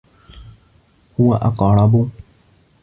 هو أقرب.